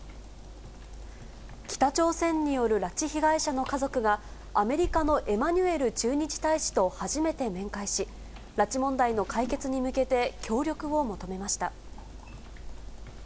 北朝鮮による拉致被害者の家族が、アメリカのエマニュエル駐日大使と初めて面会し、拉致問題の解決に向けて、協力を求めました。